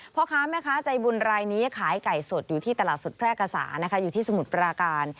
พ่อค้าแม่ค้าใจบุญรายนี้ขายไก่สดอยู่ที่ตลาดสดแพร่กษานะคะอยู่ที่สมุทรปราการ